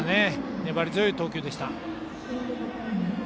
粘り強い投球でした。